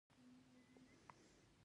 د ګیدړې لکۍ اوږده او ښکلې وي